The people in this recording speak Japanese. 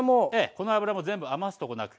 この脂も全部余すとこなく。